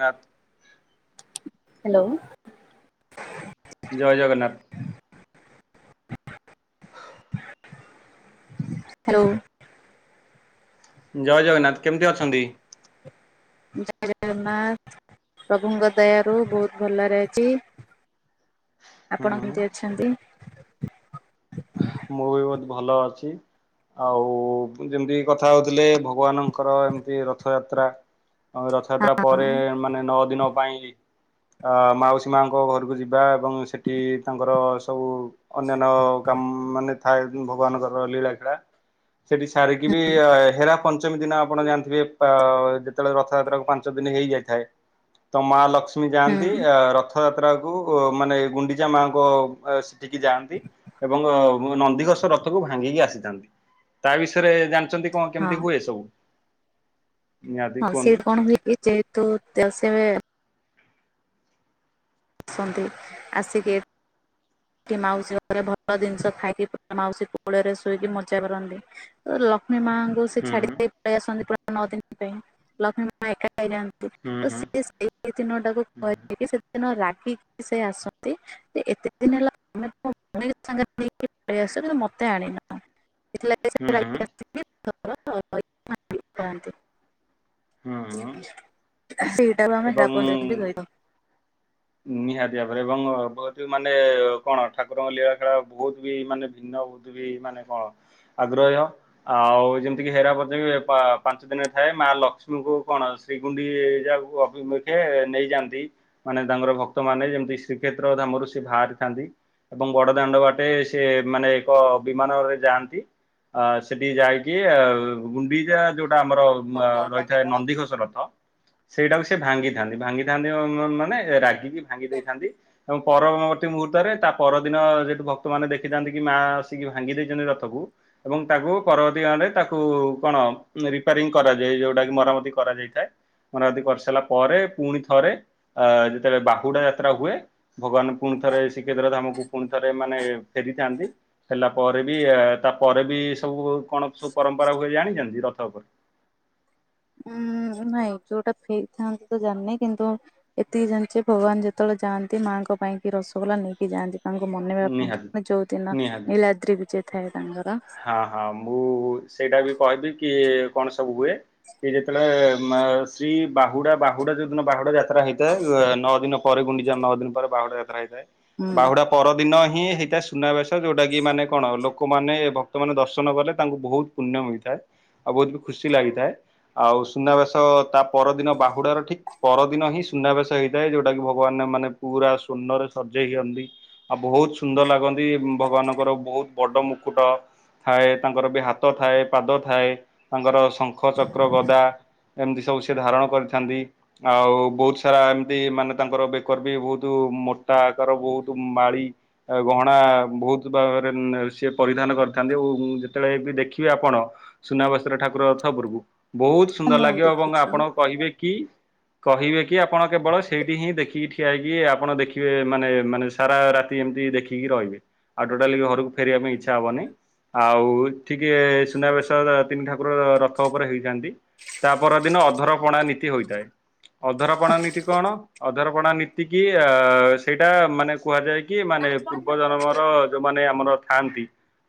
ନା। ହ୍ୟାଲୋ। ଜୟ ଜଗନ୍ନାଥ। ହ୍ୟାଲୋ। ଜୟ ଜଗନ୍ନାଥ କେମିତି ଅଛନ୍ତି? ଜୟ ଜଗନ୍ନାଥ ପ୍ରଭୁଙ୍କ ଦୟାରୁ ବହୁତ ଭଲରେ ଅଛି। ହୁଁ ଆପଣ କେମିତି ଅଛନ୍ତି? ମୁଁ ବି ବହୁତ ଭଲ ଅଛି। ଆଉ ଯେମିତି କଥା ହଉଥିଲେ ଭଗବାନଙ୍କର ଏମିତି ରଥଯାତ୍ରା ଆ ରଥଯାତ୍ରା ହଁ ପରେ ମାନେ ନଅ ଦିନ ପାଇଁ ଆଁ ମାଉସୀ ମାଙ୍କ ଘରକୁ ଯିବା ଏବଂ ସେଠି ତାଙ୍କର ସବୁ ଅନ୍ୟାନ୍ କାମ୍ ମାନେ ଥାଏ ଭଗବାନଙ୍କର ଲୀଳାଖେଳା ସେଠି ସାରିକି ବି ହେରା ପଞ୍ଚମୀ ଦିନ ଆପଣ ଜାଣିଥିବେ ଯେତେବେଳେ ରଥଯାତ୍ରାକୁ ପାଞ୍ଚ ଦିନ ହେଇଯାଇଥାଏ। ତ ମା ଲକ୍ଷ୍ମୀ ହୁଁ ଯାଆନ୍ତି ରଥ ରଥଯାତ୍ରାକୁ ମାନେ ଗୁଣ୍ଡିଚା ମାଆଙ୍କ ସେଠିକି ଯାଆନ୍ତି। ଏବଂ ନନ୍ଦିଘୋଷ ରଥକୁ ଭାଙ୍ଗିକି ଆସିଥାନ୍ତି, ତା ବିଷୟରେ ଜାଣିଛନ୍ତି? କଣ ହଁ କେମତି ହୁଏ ସବୁ? ନିହାତି ହଁ କୁହନ୍ତୁ? ସିଏ କଣ ହୁଏ କି ଯେହେତୁ ସେ ଆସନ୍ତି ଆସିକି କି ମାଉସୀ ଘରେ ଭଲ ଜିନିଷ ଖାଇକି ପୁରା ମାଉସୀ କୋଳରେ ଶୋଇକି ମଜା କରନ୍ତି। ଲକ୍ଷ୍ମୀ ମାଙ୍କୁ ସେ ହୁଁ ଛାଡି ଦେଇ ପଳେଇ ଆସନ୍ତି ପୁରା ନଅ ଦିନ ପାଇଁ ଲକ୍ଷ୍ମୀ ମା ଏକା ହେଇଯାଆନ୍ତି। ହୁଁ ତ ହୁଁ ସିଏ ସେଇ ଦିନ ଟାକୁ କୁହାଯାଏ କି ଦିନ ରାଗିକି ସେ ଆସନ୍ତି ସେ ଏତେ ଦିନ ହେଲା ଆମେ ତ ଭଉଣୀ ସାଙ୍ଗରେ ନେଇକି ଆସିଛ କିନ୍ତୁ ମତେ ଆଣିନ। [inaudible] ହୁଁ ହୁଁ ହୁଁ ହୁଁ ସେଇଟା କୁ ଏବଂ ହେରାପଞ୍ଚମୀ କହିଥାଉ। ନିହାତି ଭାବରେ ଏବଂ ବହୁତ ମାନେ କଣ ଠାକୁରଙ୍କ ଲୀଳା ଖେଳା ବହୁତ ବି ମାନେ ଭିନ୍ନ ବୀ ମାନେ କଣ ଆଗ୍ରହ୍ୟ ଆଉ ଯେମିତି ହେରାପାଞ୍ଚମି ଦିନ ଥାଏ ମା ଲକ୍ଷ୍ମୀଙ୍କୁ କଣ ଶ୍ରୀଗୁଣ୍ଡିଚା ଅଭିମୁଖେ ନେଇଯାଆନ୍ତି। ମାନେ ତାଙ୍କର ଭକ୍ତମାନେ ଯେମିତି ଶ୍ରୀକ୍ଷେତ୍ର ଧାମରୁ ସେ ବାହାରିଥାନ୍ତି। ଏବଂ ବଡ ଦାଣ୍ଡ ବାଟେ ସେ ମାନେ ଏକ ବିମାନରେ ଯାଆନ୍ତି। ଅ ସେଠି ଯାଇକି ଗୁଣ୍ଡିଚା ଯୋଉଟା ଆମର ରହିଥାଏ ନନ୍ଦିଘୋଷ ରଥ ସେଇଟାକୁ ସେ ଭାଙ୍ଗିଥାନ୍ତି। ଭାଙ୍ଗିଥାନ୍ତି ମାନେ ରାଗିକି ଭାଙ୍ଗି ଦେଇଥାନ୍ତି। ଏବଂ ପରବର୍ତ୍ତୀ ମୁହୂର୍ତ୍ତରେ ତା ପରଦିନ ଯେହତୁ ଭକ୍ତମାନୋନ ଦେଖିଥାନ୍ତି କି ମା ଆସିକି ଭାଙ୍ଗି ଦେଇଛନ୍ତି ରଥକୁ ଏବଂ ତାକୁ ପରବର୍ତ୍ତୀକାଳରେ ତାକୁ କଣ ରିପାରିଂ କରାଯାଏ ଯୋଉଟା କି ମରାମତି କରାଯାଇଥାଏ। ମରାମତି କରିସାରିଲା ପରେ ପୁଣି ଥରେ ଆ ତେବେ ବାହୁଡା ଯାତ୍ରା ହୁଏ ଭଗବାନ ପୁଣି ଥରେ ଶ୍ରୀକ୍ଷେତ୍ର ଧାମକୁ ପୁଣି ଥରେ ମାନେ ଫରିଥାନ୍ତି। ହେଲା ପରେ ବି ତାପରେ ବି ସବୁ କଣ ସବୁ ପରମ୍ପରା ହୁଏ ଜାଣିଛନ୍ତି ରଥ ଉପରେ? ଉଁ ନାଇଁ ଯୋଉଟା ଫେରିଥାନ୍ତି ତ ଜାଣିନି କିନ୍ତୁ ଏତିକି ଜାଣିଛି ଭଗବାନ ଯେତେବେଳେ ଯାଆନ୍ତି ମାଆଙ୍କ ପାଇଁ କି ରସଗୋଲା ନେଇକି ଯାଆନ୍ତି। ତାଙ୍କୁ ମନେଇବା ନିହାତି ପାଇଁ ଯୋଉ ଦିନ ନୀଲାଦ୍ରି ବିଜେ ଥାଏ ତାଙ୍କର। ହଁ-ହଁ ମୁଁ ସେଇଟା ବି କହିବି କି କଣ ସବୁ ହୁଏ କି ଯେତେବେଳେ ଶ୍ରୀ ବାହୁଡା-ବାହୁଡା ଯୋଉଦିନ ବାହୁଡା ଯା ଯାତ୍ରା ହେଇଥାଏ ନଅ ଦିନ ପରେ ଗୁଣ୍ଡିଯା ନଅ ଦିନ ପରେ ବାହୁଡା ଯାତ୍ରା ହେଇଥାଏ ହୁଁ ବାହୁଡା ପରଦିନ ହିଁ ହେଇଥାଏ ସୁନାବେଶ ଯୋଉଟା କି ମାନେ କଣ ଲୋକମାନେ ମାନେ ଦର୍ଶନ କଲେ ତାଙ୍କୁ ବହୁତ ପୁଣ୍ୟ ମିଳିଥାଏ ଆଉ ବହୁତ ବି ଖୁସି ଲାଗିଥାଏ ଆଉ ସୁନାବେସ ତା ପରଦିନ ବାହୁଡ଼ାର ଠିକ ପରଦିନ ହିଁ ସୁନାବେଶ ହେଇଥାଏ ଯୋଉଟା କି ଭଗବାନ ମାନେ ପୁରା ସ୍ଵର୍ଣ୍ଣରେ ସଜେଇ ହିଅନ୍ତି ଆଉ ବହୁତ ସୁନ୍ଦର ଲାଗନ୍ତି ଭଗବାନଙ୍କର ବହୁତ ବଡ଼ ମୁକୁଟ ଥାଏ ତାଙ୍କର ବି ହାତ ଥାଏ ପାଦ ଥାଏ ତାଙ୍କର ଶଙ୍ଖ ଚକ୍ର ଗଦା ଏମିତି ସବୁ ସିଏ ଧାରଣ କରିଥାନ୍ତି ଆଉ ବହୁତ ସାରା ଏମିତି ମାନେ ତାଙ୍କର ବେକର ବି ବହୁତ ମୋଟା ଆକାର ବହୁତ ମାଳି ଆ ଗହଣା ବହୁତ ଭାବରେ ସିଏ ପରିଧାନ କରି ଁ ଯେତେବେଳେ ବି ଦେଖିବି ଆପଣ ସୁନାବସ୍ର ଠାକୁର ରଥପୂର୍ବୁ ବହୁତ ସୁନ୍ଦର ମୁଁ ଲାଗିବ ଏବଂ ଦେଖିଛି ଆପଣ କହିବେ କି କହିବେ କି ଆପଣ କେବଳ ସେଇଠି ହିଁ ଦେଖିକି ଠିଆ ହେଇକି ଆପଣ ଦେଖିବେ ମାନେ ମାନେ ସାରା ରାତି ଏମିତି ଦେଖ ଠିକି ରହିବେ ଆଉ ଟୋଟାଲି ଘରକୁ ଫେିବା ପାଇଁ ଇ୍ଛା ହବନି ଆଉ ଠିକ ସୁନାବେଶ ତିନି ଠାକୁର ରଥ ଉପରେ ହେଇଥାନ୍ତି ତା ପରଦିନ ଅଧର ପଣା ନୀତି ହୋଇଥାଏ ଅଧରପଣା ନୀତି କଣ ଅଧରପଣା ନୀତି କି ଅ ସେଇଟା ମାନେ କୁହାଯାଏ କି କି ମାନେ ପୂର୍ବଜନ୍ମର ଯୋଉମାନେ ଆମର ଥାଆନ୍ତି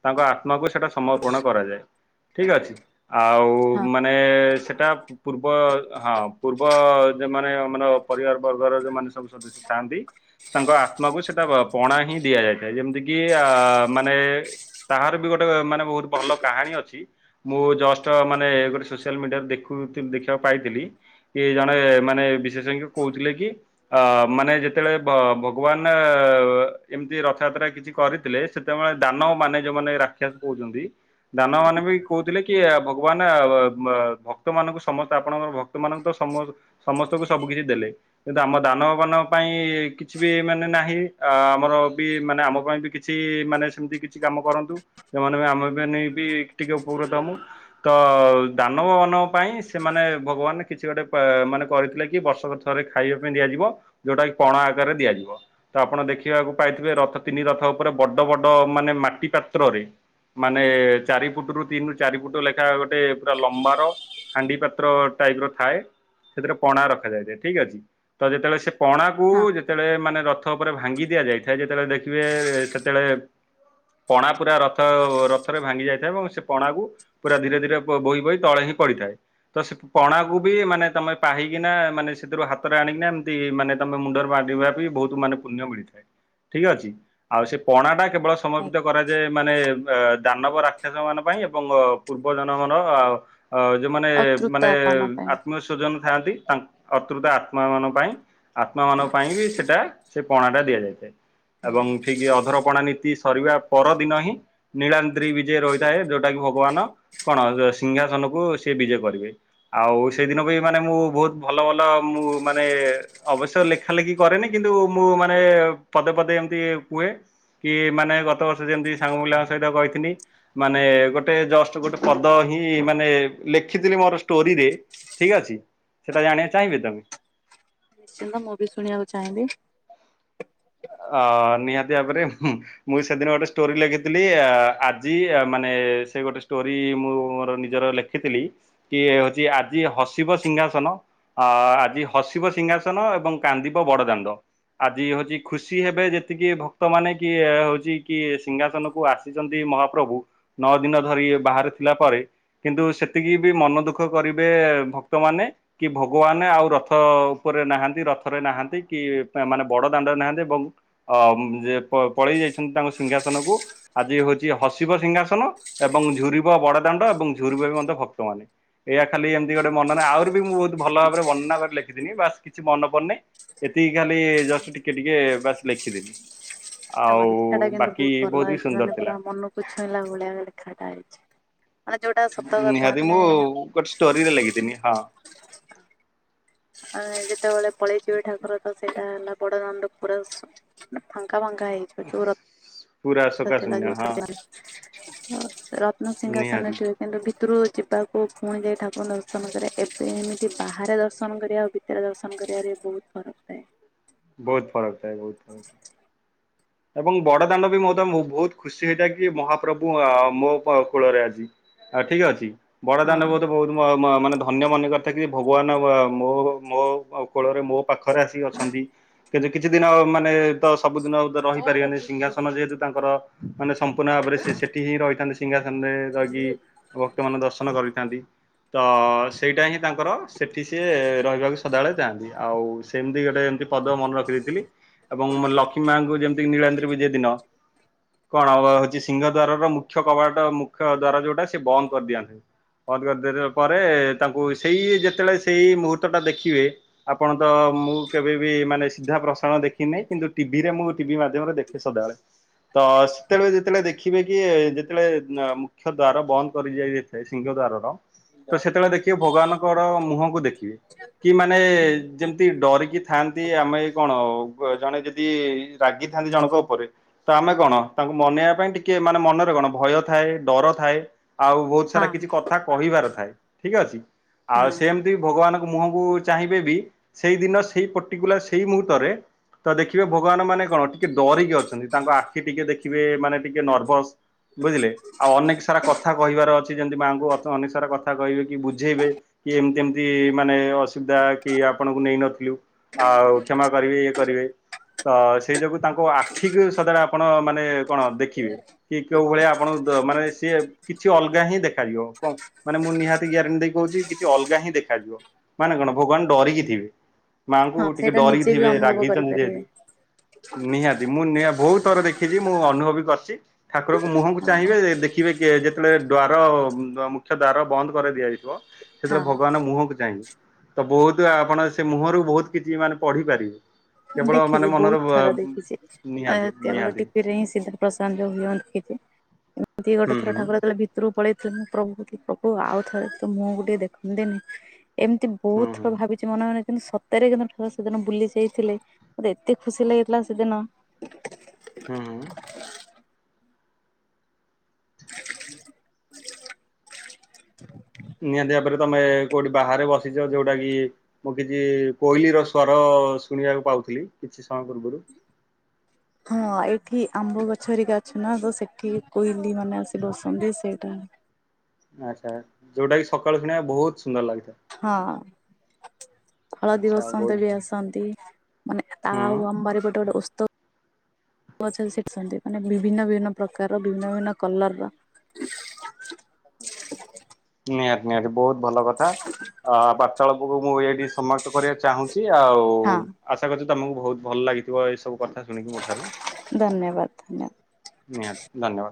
ତାଙ୍କ ଆତ୍ମାକୁ ସେଇଟା ସମର୍ପଣ କରାଯାଏ ଠିକ ଅଛି। ଆଉ ହଁ। ମାନେ ସେଟା ପୂର୍ବ ହଁ ପୂର୍ବ ଯମାନେ ମାନର ପରିବାର ବର୍ଗର ଯୋଉମାନେ ସବୁ ସ ସିଥାନ୍ତି ତାଙ୍କ ଆତ୍ମାକୁ ସେଇଟା ପଣା ହିଁ ଦିଆଯାଇଥାଏ ଯେମିତିକି କି ମାନେ ତାହାର ବି ଗୋଟେ ମାନେ ବହୁତ ଭଲ କାହାଣୀ ଅଛି। ମୁଁ ଜଷ୍ଟ ମାନେ ଗୋଟେ ସୋସିଆଲ ମିଡିଆରେ ଦେଖୁ ଦେଖିବାକୁ ପାଇଥିଲି। କି ଜଣେ ମାନେ ବିଶେଷଜ୍ଞ କହୁଥିଲେ କି ଅ ମାନେ ଯେତେବେଳେ ଭ ଭଗବାନ ଏମିତି ରଥଯାତ୍ରା କିଛି କରିଥିଲେ। ସେତେବେଳେ ଦାନବ ମାନେ ଯୋଉମାନେ ରାକ୍ଷସ କହୁଛନ୍ତି ଦାନବ ମାନେ ବି କହୁଥିଲେ କି ଭଗବାନ ଆ ଭକ୍ତମାନଙ୍କୁ ସମସ୍ତେ ଆପଣଙ୍କର ଭକ୍ତ ମାନଙ୍କୁ ତ ସମ ସମସ୍ତଙ୍କୁ ସବୁ କିଛି ଦେଲେ। କିନ୍ତୁ ଆମ ଦାନବ ମାନ ପାଇଁ କିଛି ବି ମାନେ ନାହିଁ ଆ ଆମର ବି ମାନେ ଆମ ପାଇଁ ବି କିଛି ସିଏ ମାନେ ସେମିତି କିଛି କାମ କରନ୍ତୁ ଯୋମାନେ ଆମେମାନେ ବି ଟିକେ ଉପକୃତ ହବୁ। ତ ଦାନବ ମାନଙ୍କ ପାଇଁ ସେମାନେ ଭଗବାନ କିଛି ଗୋଟେ ପେ ମାନେ କରିଥିଲେ କି ବର୍ଷ ଥରେ ଖାଇବା ପାଇଁ ଦିଆଯିବ ଯୋଉଟା କି ପଣା ଆକାରରେ ଦିଆଯିବ। ତ ଆପଣ ଦେଖିବାକୁ ପାଇଥିବେ ରଥ ତିନି ରଥ ଉପରେ ବଡ ବଡ ମାନେ ମାଟି ପାତ୍ରରେ ମାନେ ଚାରି ଫୁଟରୁ ତିନିରୁ ଚାରି ଫୁଟ ଲେଖା ଗୋଟେ ପୁରା ଲମ୍ବାର ହାଣ୍ଡି ପାତ୍ର ଟାଇପର ଥାଏ ସେଥିରେ ପଣା ରଖାଯାଇଥାଏ ଠିକ ଅଛି। ତ ଯେତେବେଳେ ସେ ପଣାକୁ ହଁ ଯେତେବେଳେ ମାନେ ରଥ ଉପରେ ଭାଙ୍ଗି ଦିଆଯାଇଥାଏ ଯେତେବେଳେ ଦେଖିବେ ସେତେବେଳେ ପଣା ପୁରା ରଥ ରଥରେ ଭାଙ୍ଗି ଯାଇଥାଏ ଏବଂ ସେ ପଣାକୁ ପୁରା ଧୀରେ ଧୀରେ ବହି ବହି ତଳେ ହିଁ ପଡିଥାଏ। ତ ସେ ପଣାକୁ ବି ମାନେ ତମେ ପାହିକିନା ମାନେ ସେଥିରୁ ହାତରେ ଆଣିକିନା ଏମିତି ମାନେ ତମେ ମୁଣ୍ଡରେ ମାରିବା ବି ବହୁତ ମାନେ ପୁଣ୍ୟ ମିଳିଥାଏ ଠିକ ଅଛି ଆଉ ସେ ପଣା ଟା କେବଳ ସମର୍ପିତ କରାଯାଏ ମାନେ ଏ ଦାନବ ରାକ୍ଷସ ମାନ ପାଇଁ ଏବଂ ପୂର୍ବ ଜନଗଣ ଅ ଅ ଯୋଉମାନେ ଅତୃପ୍ତ ମାନେ ଆତ୍ମା ପାଇଁ ଆତ୍ମଶି ସଜନ ଥାନ୍ତି ତାଙ୍କ ଅତ୍ରୁତା ଆତ୍ମା ମାନଙ୍କ ପାଇଁ ଆତ୍ମା ମାନଙ୍କ ପାଇଁ ବି ସେଟା ସେ ପଣାଟା ଦିଆଯାଇଥାଏ ଏବଂ ଠିକ ଅଧର ପଣା ନୀତି ସରିବା ପରଦିନ ହିଁ ନୀଳାନ୍ତି ବିଜେ ରହିଥାଏ ଯୋଉଟା କି ଭଗବାନ କଣ ସିଂହାସନକୁ ସେ ବିଜେ କରିବେ। ଆଉ ସେଇଦିନ ବି ମାନେ ମୁଁ ବହୁତ ଭଲ ଭଲ ମୁଁ ମାନେ ଅବଶ୍ୟ ଲେଖା ଲେଖି କରେନି କିନ୍ତୁ ମୁଁ ମାନେ ପଦେ ପଦେ ଏମିତି କୁହେ କି ମାନେ ଗତ ବର୍ଷ ଯେମତି ସାଙ୍ଗପିଲାଙ୍କ ସହିତ କହିଥିଲି। ମାନେ ଗୋଟେ ଜଷ୍ଟ ଗୋଟେ ପଦ ହିଁ ମାନେ ଲେଖିଥିଲି ମୋର ଷ୍ଟୋରିରେ ଠିକ ଅଛି ସେଟା ଜାଣିବା ଚାହିଁବେ ତ ନିଶ୍ଚିନ୍ତ ମୁଁ ବି ଶୁଣିବାକୁ ଚାହିଁବି ଅ ନିହାତି ଭାବରେ ହୁଁ ମୁଁ ସେଦିନ ଗୋଟେ ଷ୍ଟୋରି ଲେଖିଥିଲି ଆଜି ଆ ମାନେ ସେ ଗୋଟେ ଷ୍ଟୋରି ମୁଁ ମୋର ନିଜର ଲେଖି ଦେଖିଥିଲି କି ହଉଛି ଆଜି ହସିବ ସିଂହାସନ ଅ ଆଜି ହସିବ ସିଂହାସନ ଏବଂ କାନ୍ଦିବ ବଡ ଦାଣ୍ଡ ଆଜି ହଉଛି ଖୁସି ହେବେ ଯେତିକି ଭକ୍ତ ମାନେ କି ହଉଛି କି ସିଂହାସନ କୁ ଆସିଛନ୍ତି ମହାପ୍ରଭୁ ନଅ ଦିନ ଧରି ବାହାରେ ଥିଲା ପରେ କିନ୍ତୁ ସେତିକି ବି ମନ ଦୁଃଖ କରିବେ ଭକ୍ତମାନେ କି ଭଗବାନ ଆଉ ରଥ ଉପରେ ନାହାନ୍ତି ରଥରେ ନାହାନ୍ତି କି ମାନେ ବଡ ଦାଣ୍ଡରେ ନାହାନ୍ତି। ଏବଂ ଅ ଯେ ପ ପଳେଇ ଯାଇଛନ୍ତି ତାଙ୍କ ସିଂହାସ ନ କୁ ଆଜି ହଉଛି ହସିବ ସିଂହାସନ। ଏବଂ ଝୁୁରିବ ବଡ ଦାଣ୍ଡ ଏବଂ ଝୁରିବ ବି ମଧ୍ୟ ଭକ୍ତମାନେ। ଏୟଆ ଖାଲି ଏମିତି ଗୋଟେ ମନ ନାହିଁ ଆହୁରି ବି ମୁଁ ବହୁତ ଭଲ ଭାବ ବର୍ଣ୍ନାରେେିଥଥିଲି ବାସ୍ କିଛି ମନ ପଡି ନହ୍ନି। ଏତିକି ଖାଲି ଜଷ୍ଟ ଟିକେ ଟିକେ ବାସ ଲେଖିଦେଲି। ତମ ଆଉ ଲେଖାଟା କିନ୍ତୁ ବାକି ବହୁତ ଭଲ ବି ହେଇଛି ସୁନ୍ଦର ମାନେ ଥିଲା। ପୁରା ମନକୁ ଛୁଇଁଲା ଭଳିଆ ଲେଖାଟା ହେଇଛି। ମାନେ ଯୋଉଟା ସତ କଥା ମାନେ ଲାଗିି ହଁ। ଆ ଯେତେବେଳେ ପଳେଇଥିବେ ଠାକୁର ତ ସେଇଟା ହେଲା ବଡଦାମରେ ପୁରା ଫାଙ୍କା ଫାଙ୍କା ହେଇଯିବ ଜୋର ପୁରା ଲ ଶୋକାଶୂନ୍ୟ ହଁ। ଯେଉଟା ରତ୍ନସିିଂହାସନ ନିହାତି କିନ୍ତୁ ଭିତରୁ ଯିବାକୁ ପୁଣି ଯାଇ ଠାକୁର ଦର୍ଶନ କରେ ଏବେ ଏମିତି ବାହାରେ ଦ ଦର୍ଶନ କରିବାଉ ଭିତରେ ଦର୍ଶନ କରିବାରେ ବହୁତ ଫରକ ଥାଏ। ବହୁତ ଫରକ ଥା ବହୁତ ଫରକ। ଏବଂ ବଡ ଦାଣ୍ଡ ବି ମୋ ତ ବହୁତ ଖୁସି ହେଇଥାଏ କି ମହାପ୍ରଭୁ ମୋ କୂଳରେ ଆଜି ଆଉ ଠିକ ଅଛି। ବଡ଼ଦାନ ହଁ ବୋତେ ବହୁତ ମାନେ ଧନ୍ୟ ମନେ କରିଥା ଯେ ଭଗବାନ ମୋ ମୋ କୋଳରେ ମୋ ପାଖରେ ଆସି ଅଛନ୍ତି କିନ୍ତୁ କିଛି ଦିନ ମାନେ ତ ସବୁ ଦିନ ରହି ଯେହେତୁ ତାଙ୍କର ମାନେ ସମ୍ପୂର୍ଣ୍ଣ ଭାବରେ ସେ ସେଠି ହିଁ ରହିଥାେ ସିଂହାସନରେ ରହିି ଭକ୍ତ ମାନ ଦର୍ଶନ କରିଥାନ୍ତି। ତ ସେଇଟା ହିଁ ତାଙ୍କର ସେଇଠି ସିଏ ରହିବାକୁ ସଦାବେଳେ ଯାଆନ୍ତି ଆଉ ସେମିତି ଗୋଟେ ଏମିତି ପଦ ମନେ ରଖି ଦେଇେଇଥିଲ ଏବଂ ଲକ୍ଷ୍ମୀ ମାଙ୍କୁ ଯେମତିି ନୀଳାନ୍ତ ବିଜୟ ଦିନ କଣଉ ହଉଛି ସିଂହ ଦ୍ୱାର ର ମୁଖ୍ୟ କବାଟା ମୁଖ୍ୟ ଦ୍ଵାର ଯୋଉଟା ସେ ବନ୍ଦ କରିଦିଆନ୍ତି। ବଦ କରିଦ ପରେ ତାଙ୍କୁ ସେଇ ଯେତେବେଳେ ସେଇ ମୁହୂର୍ତ୍ତ ଟା ଦେଖିବେ। ଆପଣ ତ ମୁଁ କେବେ ବିି ମାନେ ସିଧା ପ୍ରସାରଣ ଦେଖିନହିଁ କିନ୍ତୁ ଟିଭିରେ ମୁଁ ଟିଭି ମାଧ୍ୟମରେ ଦେଖେ ସଦାବେଳେ ତ ସେତେବେଳେ ଯେତେବେଳେ ଦେଖିବେ କି ଯେତେବେଳେ ମୁଖ୍ୟ ଦ୍ୱାର ବନ୍ଦ କରି ଯାଇ ସେ ସିଙ୍ଗଦାରୋଟ ତ ସେତେବେଳେ ଦେଖିବେ ଭଗବାନଙ୍କର ମୁହଁକୁ ଦେଖିବେ କି ମାନେ ଯେମିତି ଡରିକି ଥାଆନ୍ତି ଆମେ କଣ ଜଣେ ଯଦି ରାଗିଥାନ୍ତି ଜଣଙ୍କ ଉପରେ। ତ ଆମେ କଣ ତାଙ୍କୁ ମନେଇବା ପାଇଁ ଟିକେ ମାନେ ମନରେ କଣ ଭୟ ଥାଏ ଡର ଥାଏ ଆଉ ହଁ ବହୁତ ା କିଛି କଥା କହିବାର ଥାଏ ଠିକ ଅଛି ଆଉ ହଁ। ସେ ଯ ଭଗବାନଙ୍କ ମୁହକୁ ଚାହିଁବେ ବି ସେଇ ଦିନ ସେଇ ପର୍ଟିକୁଲାର ସେଇ ମୁହୂର୍ତ୍ତରେ ତ ଦେଖିବେ ଭଗବାନ ମାନେ କଣ ଟିକେ ଡରିକି ଅଛନ୍ତି ତାଙ୍କ ଆଖି ଟିକେ ଦେଖିବେ ମାନେ ଟିକେ ନର୍ଭସ ବୁଝିଲେ ଆଉ ଅନେକ ସାରା କଥା କହିବାର ଅଛି। ଯେମତି ମାଙ୍କୁ ଅନିସାରା କଥା କହିବେ କି ବୁଝେଇବେ କି ଏମତି ଏମତି ମାନେ ା ଆପଣ ନେଇ ନଥିଲ ଆଉ କଷ କରିବେ ଇ କରିବେ। ସେଇ ଯୋଗୁ ତାଙ୍କ ଆଖିକୁ ସଦାବେଳେ ଆପଣ ମାନେ କଣ ଦେଖିବେ। କି କେଉଁ ଭଳିଆ ଆପଣଙ୍କୁ ମାନେ ସିଏ କିଛି ଅଲଗା ହିଁ ଦେଖାଯିବ କଣ? ମାନେ ମୁଁ ନିହାତି ଗ୍ୟାରେଣ୍ଟି ଦେଇ କହୁଛି କିଛି ଅଲଗା ହିଁ ଦେଖାଯିବ ମାନେ କଣ ଭଗବାନ ଡରିକି ଥିବେ। ମାଆଙ୍କୁ ହଁ ଟିକେ ସେଇଟା ଡରିକି ନିଜେ ବି ଥିବେ ଅନୁଭବ ରାଗିଛନ୍ତି କରିପାରିବେ। ଯେହେତୁ ନିହାତି ମୁଁ ନିହା ବହୁତ ଥର ଦେଖିଛି ମୁଁ ଅନୁଭବ ବି କରିଛି। ଠାକୁରଙ୍କ ମୁହଁକୁ ହଁ ଚାହିଁବେ ଦେଖିବେ ଯେତେବେଳେ ଦ୍ୱାର ମୁଖ୍ୟ ଦ୍ୱାର ବନ୍ଦ କରାଇ ଦିଆଯିବ, ସେତେବେଳେ ହଁ ଭଗବାନ ମୁହଁକୁ ଚାହିଁବେ ତ ବହୁତ ଆପଣ ସେ ମୁହଁରୁ ବହୁତ କିଛି ମାନେ ପଢିପାରିବେ କେବଳ ମାନେ ମନର ଖରା ଦେଖିଛି ଆ ନିହାତି କେବଳ ନିହାତି ଟିକେ ରେ ହିଁ ସିଧା ପ୍ରସନ୍ନ ହୁଅନ୍ତିନି। ଏମିତି ଗୋଟେ ହୁଁ ଥର ହୁଁ ଠାକୁର ଯେତେବେଳେ ଭିତ ରକୁ ପଳେଇଥିଲେ ପ୍ରଭୁ୍। ଆଉ ଥରେ ତ ମୁଁ ଟିକେ ଦେଖନ୍ତିନି ଏମିତି ବହୁତ ହୁଁ ଥର ହୁଁ ଭାବିଛି ମନେ ମନେ କିନ୍ତୁ ସତରେ ସେଦିନ ବୁଲି ଯାଇଛି। ମୋତେ ଏତେ ଖୁସି ଲାଗିଥିଲା ସେଦିନ। ହୁଁ। [inaudible] [inaudible] ନିହାତି ଭାବରେ ତମେ କୋଉଠି ବାହାରେ ବସିଛ ଯୋଉଟା କି ମୁଁ କିଛି କୋଇଲିର ସ୍ଵର ଶୁଣିବାକୁ ପାଉଥିଲି କିଛି ସମୟ ପୂର୍ବରୁ। ହଁ ଏଠି ଆମ୍ବ ଗଛ ହେରିକା ଅଛି ନା ତ ସେଠି କୋଇଲି ମାନେ ଆସି ବସନ୍ତି ସେଇଟା ଆଚ୍ଛା ଯୋଉଟା କିି ସକାଳୁ ଶୁଣିବା ବହୁତ ସୁନ୍ଦର ଲାଗିଥାଏ। ହଁ। ହଳଦୀ ଆଚ୍ଛା ବହୁତ ବସନ୍ତ ବି ଭଲ। ଆସନ୍ତି ମାନେ ଆଉ ହୁଁ ଆମବାରି ପଟେ ଟେ ଓସ୍ତ [unintelligible] ମାନେ ବିଭିନ୍ନ ବଭିନ୍ନ ପ୍ରକାର ଭିନ୍ନ ଭିନ୍ନ କଲର ନିହାତ ନିହାତି ବହୁତ ଭଲ କଥା ଆ ବାର୍ତ୍ତାଳପକୁ ମୁଁ ଏଇଠି ସମାପ୍ତ କରିବା ଚାହୁଁଛି ଆଉ ହଁ ଆଶା କଛି ତମକୁ ଭହୁତ ଭଲ ଲାଗିଥିବ ଏ ସବୁ କଥା ଶୁଣିକି ମୋ ଧନ୍ୟବାଦ ଧନ୍ୟ ନିହା ଧନ୍ୟ